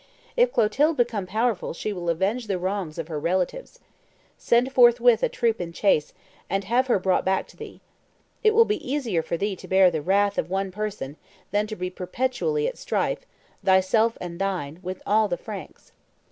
If Clotilde become powerful she will avenge the wrongs of her relatives. Send thou forthwith a troop in chase, and have her brought back to thee. It will be easier for thee to bear the wrath of one person, than to be perpetually at strife, thyself and thine, with all the Franks.